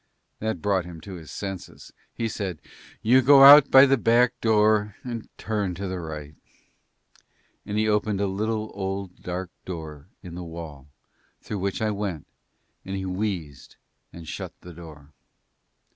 That brought him to his senses. He said, "You go out by the back door and turn to the right"; and he opened a little, old, dark door in the wall through which I went, and he wheezed and shut the door.